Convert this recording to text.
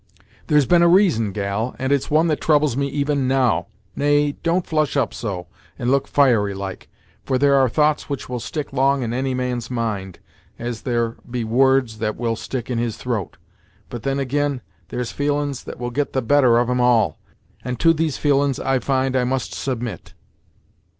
"There's been a reason, gal, and it's one that troubles me even now nay, don't flush up so, and look fiery like, for there are thoughts which will stick long in any man's mind, as there be words that will stick in his throat but, then ag'in, there's feelin's that will get the better of 'em all, and to these feelin's I find I must submit.